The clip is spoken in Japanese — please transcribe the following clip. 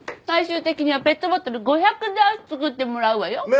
最終的にはペットボトル５００ダース作ってもらうわよ。